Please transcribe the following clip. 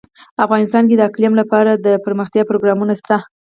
افغانستان کې د اقلیم لپاره دپرمختیا پروګرامونه شته.